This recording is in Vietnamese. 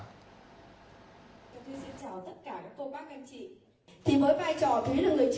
tôi xin chào tất cả các cô bác anh chị